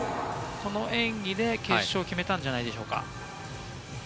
この演技で決勝を決めたんじゃないでしょうか。